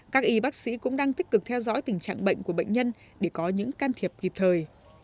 các y bác sĩ cũng đang tích cực theo dõi tình trạng bệnh của bệnh nhân để có những can thiệp kịp thời